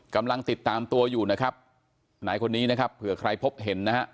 กำลังติดตามตัวอยู่นะครับนายคนนี้นะครับเผื่อใครพบเห็นนะฮะ